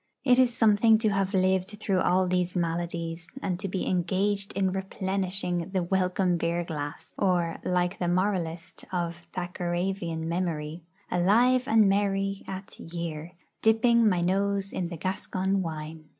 It is something to have lived through all these maladies, and to be engaged in replenishing the welcome beer glass, or, like the moralist of Thackeravian memory, Alive and merry at year, Dipping my nose in the Gascon wine.